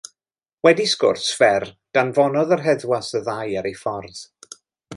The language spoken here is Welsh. Wedi sgwrs fer danfonodd yr heddwas y ddau ar eu ffordd.